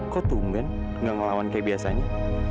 kok tumben gak ngelawan kayak biasanya